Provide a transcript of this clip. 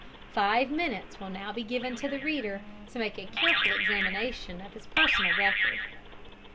Five minutes will now be given the reader to make a careful examination of his personal record.